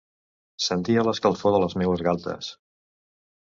Sentia l'escalfor de les meues galtes.